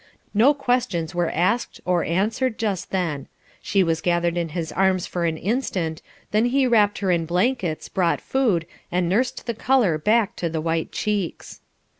No questions were asked or answered just then. She was gathered in his arms for an instant; then he wrapped her in blankets, brought food, and nursed the colour back to the white cheeks.